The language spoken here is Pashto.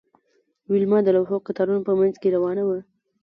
ویلما د لوحو د قطارونو په مینځ کې روانه وه